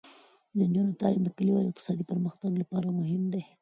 د نجونو تعلیم د کلیوالو اقتصادي پرمختګ لپاره مهم دی.